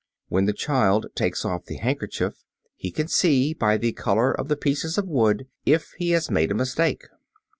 When the child takes off the handkerchief, he can see by the color of the pieces of wood if he has made a mistake.